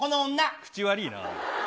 口悪いな。